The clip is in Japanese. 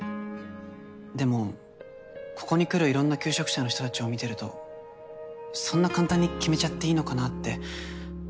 でもここに来るいろんな求職者の人たちを見てるとそんな簡単に決めちゃっていいのかなって。